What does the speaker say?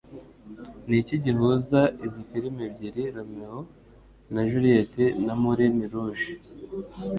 Niki gihuza izi firime ebyiri Romeo na Juliet na Moulin Rouge?